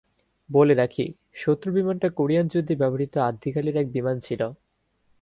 বলে রাখি, শত্রু বিমানটা কোরিয়ান যুদ্ধে ব্যবহৃত আদ্যিকালের এক বিমান ছিল।